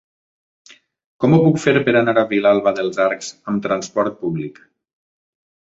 Com ho puc fer per anar a Vilalba dels Arcs amb trasport públic?